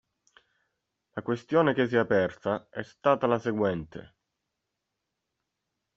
La questione che si è aperta è stata la seguente.